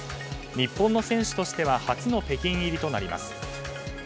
日本の選手としては初の北京入りとなります。